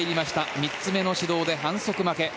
３つ目の指導で反則負け。